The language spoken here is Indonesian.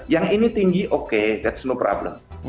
yang ini tinggi oke that's no problem